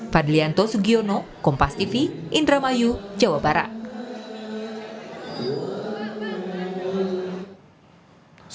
padlian tosugiono kompas tv idramayu jawa barat